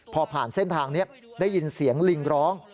พอผ่านเส้นทางนี้ได้ยินเสียงลิงร้อง